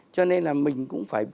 cho nên là mình cũng phải